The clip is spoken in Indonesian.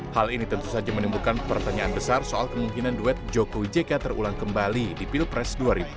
hal ini tentu saja menimbulkan pertanyaan besar soal kemungkinan duet jokowi jk terulang kembali di pilpres dua ribu sembilan belas